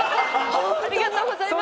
ありがとうございます。